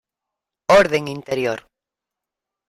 Orden Interior.